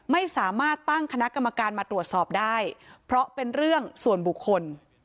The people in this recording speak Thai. ไม่สามารถตั้งคณะกรรมการมาตรวจสอบได้เพราะเป็นเรื่องส่วนบุคคล